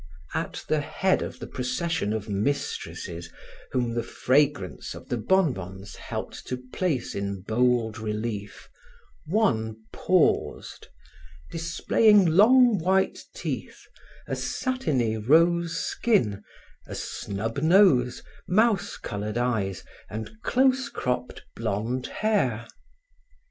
At the head of the procession of mistresses whom the fragrance of the bonbons helped to place in bold relief, one paused, displaying long white teeth, a satiny rose skin, a snub nose, mouse colored eyes, and close cropped blond hair.